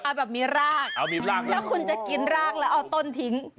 เอาแบบมีรากเอามีร่างแล้วคุณจะกินรากแล้วเอาต้นทิ้ง